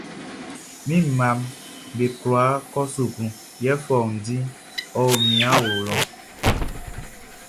Mi mmaʼm be kwla kɔ suklu, yɛ fɔundi o mi awlo lɔ.